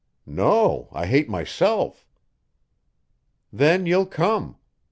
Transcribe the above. "No, I hate myself." "Then you'll come.